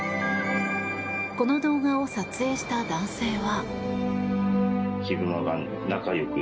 この動画を撮影した男性は。